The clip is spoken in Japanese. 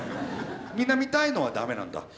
みんな見たいのは駄目なんだ。